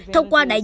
thông qua đại diện